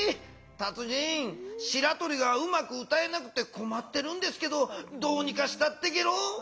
達人しらとりがうまく歌えなくてこまってるんですけどどうにかしたってゲロ。